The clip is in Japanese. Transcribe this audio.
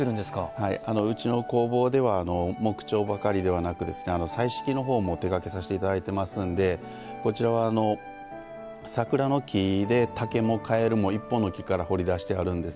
うちの工房では木彫ばかりではなく彩色のほうも手がけさせていただいてますんでこちらは桜の木で竹もかえるも一本の木から彫り出してあるんです。